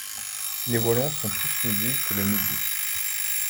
Les Wallons sont plus midi que le midi.